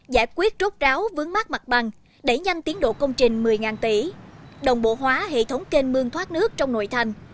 giải quyết trốt ráo vướng mát mặt băng đẩy nhanh tiến độ công trình một mươi tỷ đồng bộ hóa hệ thống kênh mương thoát nước trong nội thành